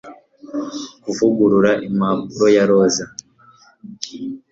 Kuvugurura impumuro ya roza